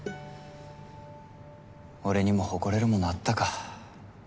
俺にも誇れるものあったか。